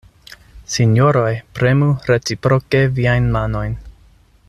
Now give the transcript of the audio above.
Sinjoroj, premu reciproke viajn manojn.